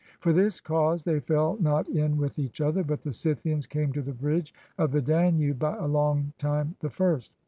For this cause they fell not in with each other ; but the Scythians came to the bridge of the Danube by a long time the first.